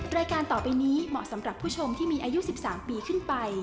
รายการต่อไปนี้เหมาะสำหรับผู้ชมที่มีอายุ๑๓ปีขึ้นไป